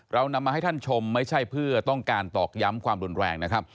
เรานำมาให้ท่านชมไม่ใช่เพื่อต้องการตอกย้ำความรุนแรงนะครับ